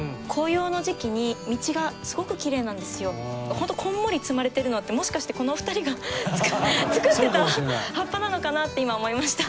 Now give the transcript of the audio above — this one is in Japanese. ホントこんもり積まれてるのってもしかしてこのお二人が作ってた葉っぱなのかなって今思いました。